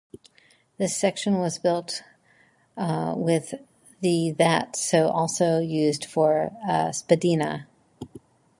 This section was built with the that was also used for Spadina.